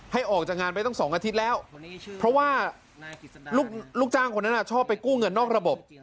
ให้ออกจากงานไปตั้ง๒อาทิตย์แล้วเพราะว่าลูกจ้างคนนั้นชอบไปกู้เงินนอกระบบ